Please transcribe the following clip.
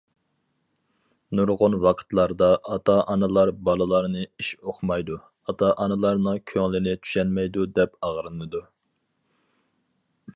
نۇرغۇن ۋاقىتلاردا، ئاتا- ئانىلار بالىلارنى ئىش ئۇقمايدۇ، ئاتا- ئانىلارنىڭ كۆڭلىنى چۈشەنمەيدۇ دەپ ئاغرىنىدۇ.